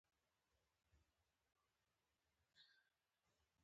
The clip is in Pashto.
دښمن د شکست لیدلو ته چمتو وي